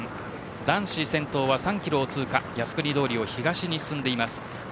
男子の先頭は３キロを通過して靖国通りを東に進んでいます。